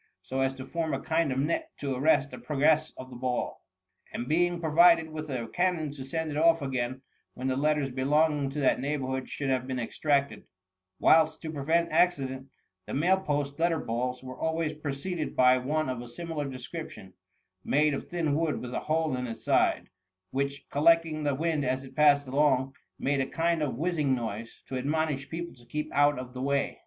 68 THE MUMMY. SO as to form a kind of net to arrest the pro gress of the ball, and being provided with a cannon to send it off again, when the letters belonging to that neighbourhood should have been extracted : whilst, to prevent accident, the mail post letter balls were always preceded by one of a similar description, made of thin wood, with a hole in its side, which, collecting the wind as it passed along, made a kind of whiz zing noise, to admonish people to keep out of the way.